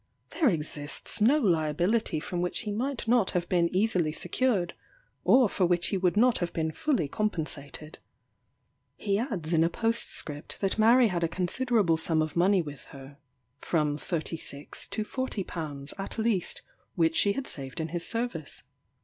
There exists no liability from which he might not have been easily secured, or for which he would not have been fully compensated. He adds in a postscript that Mary had a considerable sum of money with her, from £36 to £40 at least, which she had saved in his service.